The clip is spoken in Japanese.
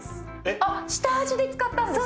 あっ下味で使ったんですね。